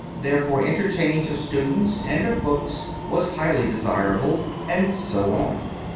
Therefore interchange of students and of books was highly desirable. And so on.